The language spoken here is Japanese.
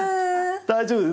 大丈夫です。